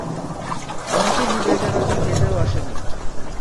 আমাকে বিদায় জানাতে গেটেও আসেনি।